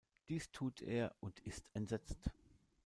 Dies tut er und ist entsetzt.